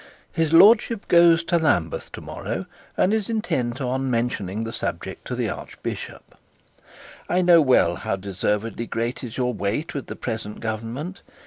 His lordship goes to London tomorrow, and is intent on mentioning the subject to the archbishop. 'I know well how deservedly great is your weight with the present government.